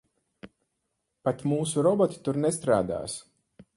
Pat mūsu roboti tur nestrādās.